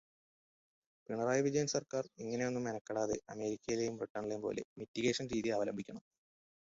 പിണറായി വിജയൻ സർക്കാർ ഇങ്ങനെയൊന്നും മെനക്കെടാതെ അമേരിക്കയിലെയും ബ്രിട്ടണിലെയും പോലെ മിറ്റിഗേഷൻ രീതി അവലംബിക്കണം.